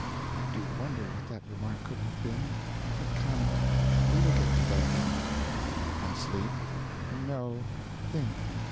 I do wonder what that remark could have been. But come; we will get to bed now." "And sleep?" "No; think."